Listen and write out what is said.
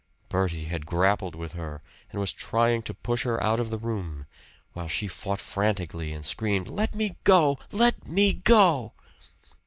Bertie had grappled with her and was trying to push her out of the room, while she fought frantically, and screamed: "Let me go! Let me go!"